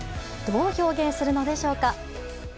どう表現するのでしょうか。